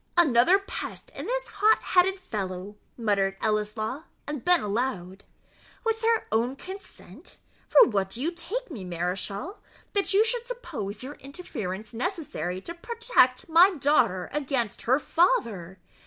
"Another pest in this hot headed fellow," muttered Ellieslaw; and then aloud, "With her own consent? For what do you take me, Mareschal, that you should suppose your interference necessary to protect my daughter against her father?